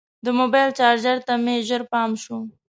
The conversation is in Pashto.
د موبایل چارجر ته مې ژر پام شو.